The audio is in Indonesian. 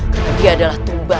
karena dia adalah tumbal